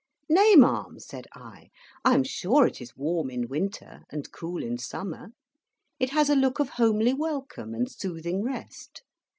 "Nay, ma'am," said I, "I am sure it is warm in winter and cool in summer. It has a look of homely welcome and soothing rest.